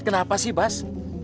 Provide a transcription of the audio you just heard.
kenapa sih bas